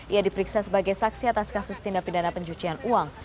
ia diperiksa sebagai saksi atas kasus tindak pidana pencucian uang